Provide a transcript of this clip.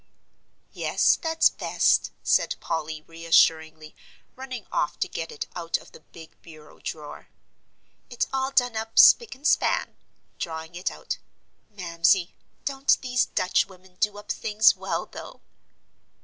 "Yes, that's best," said Polly, reassuringly, running off to get it out of the big bureau drawer. "It's all done up spick and span," drawing it out. "Mamsie, don't these Dutch women do up things well, though?"